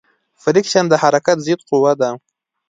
فریکشن د حرکت ضد قوې ده.